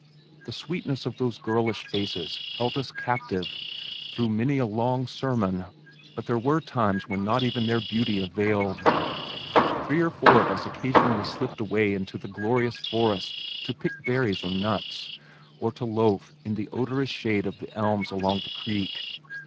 The sweetness of those girlish faces held us captive through many a long sermon, but there were times when not even their beauty availed. Three or four of us occasionally slipped away into the glorious forest to pick berries or nuts, or to loaf in the odorous shade of the elms along the creek.